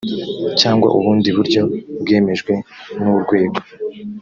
cyangwa ubundi buryo bwemejwe n urwego